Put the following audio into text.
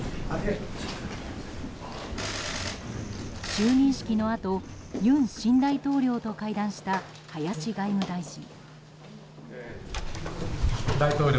就任式のあと、尹新大統領と会談した林外務大臣。